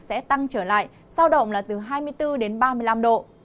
sẽ tăng trở lại giao động là từ hai mươi bốn đến ba mươi năm độ